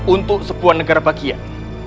untuk sebuah negara bagian